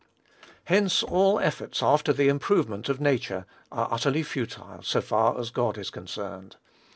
Hence all efforts after the improvement of nature are utterly futile, so far as God is concerned.